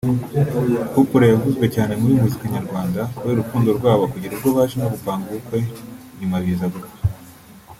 Couple yavuzwe cyane muri muzika nyarwanda kubera urukundo rwabo kugera ubwo baje no gupanga ubukwe nyuma biza gupfa